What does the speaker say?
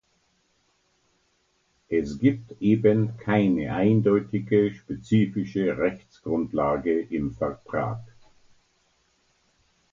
Es gibt eben keine eindeutige spezifische Rechtsgrundlage im Vertrag.